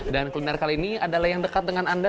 dan kuliner kali ini adalah yang dekat dengan anda